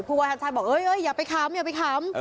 วาชัดบอกอย่าไปขำอย่าไปขำ